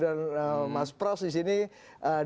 disana atau ditempat berlangsungnya arena debat